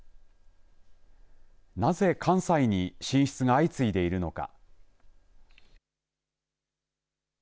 なぜ関西に進出が相次いでいるのか。